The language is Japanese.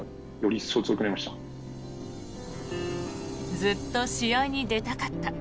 ずっと試合に出たかった。